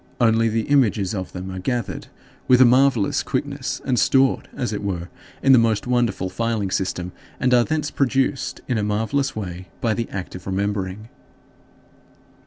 Only the images of them are gathered with a marvelous quickness and stored, as it were, in the most wonderful filing system, and are thence produced in a marvelous way by the act of remembering.